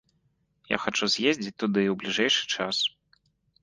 Я хачу з'ездзіць туды ў бліжэйшы час.